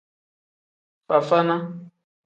Fafana.